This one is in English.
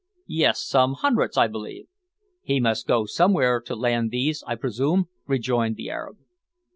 "Yes, some hundreds, I believe." "He must go somewhere to land these, I presume?" rejoined the Arab.